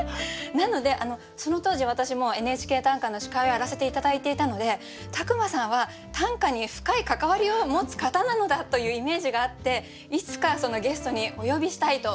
なのでその当時私もう「ＮＨＫ短歌」の司会をやらせて頂いていたので宅間さんは短歌に深い関わりを持つ方なのだというイメージがあっていつかゲストにお呼びしたいと。